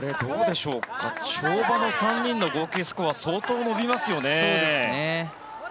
跳馬の３人の合計スコア相当伸びますよね。